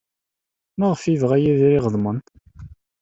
Maɣef ay yebɣa Yidir iɣeḍmen?